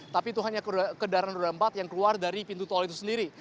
tapi itu hanya kendaraan roda empat yang keluar dari pintu tol itu sendiri